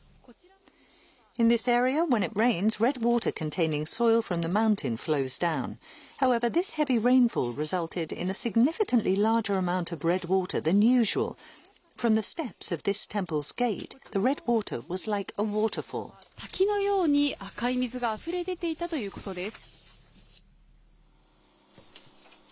こちらの門の階段からは、滝のように赤い水があふれ出ていたということです。